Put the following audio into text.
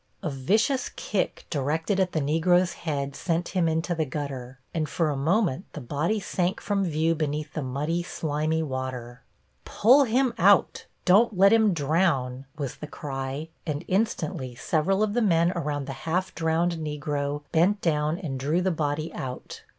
A vicious kick directed at the Negro's head sent him into the gutter, and for a moment the body sank from view beneath the muddy, slimy water. "Pull him out; don't let him drown," was the cry, and instantly several of the men around the half drowned Negro bent down and drew the body out.